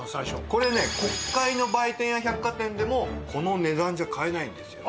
これね国会の売店や百貨店でもこの値段じゃ買えないんですよね。